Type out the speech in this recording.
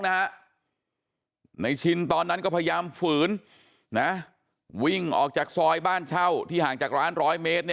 ในชินตอนนั้นก็พยายามฝืนวิ่งออกจากซอยบ้านเช่าที่ห่างจากร้าน๑๐๐เมตร